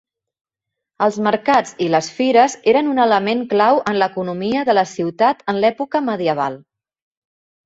Els mercats i les fires eren un element clau en l'economia de la ciutat en l'època medieval.